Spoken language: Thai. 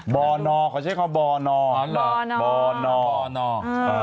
บอร์นอร์เขาใช้คำบอร์นอร์เหรอบอร์นอร์